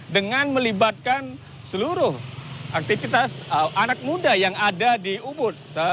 dengan melibatkan seluruh aktivitas anak muda yang ada di ubud